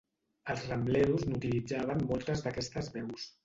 Els Rambleros n'utilitzaven moltes d'aquestes veus.